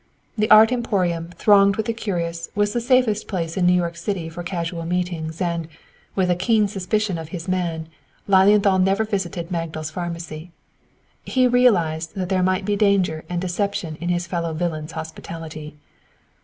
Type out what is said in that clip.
The Art Emporium, thronged with the curious, was the safest place in New York City for casual meetings, and, with a keen suspicion of his man, Lilienthal never visited Magdal's Pharmacy. He realized that there might be danger and deception in his fellow villain's hospitality.